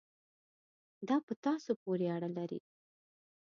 دا په تاسو پورې اړه لري.